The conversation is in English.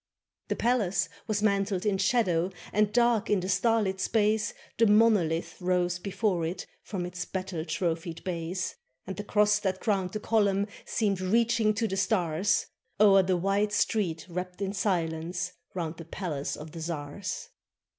The palace was mantled in shadow, And, dark in the starlit space. The monolith rose before it From its battle trophied base. And the cross that crowned the column Seemed reaching to the stars, 208 THE EMANCIPATION OF THE SERFS O'er the white street, wrapped in silence, Round the palace of the czars.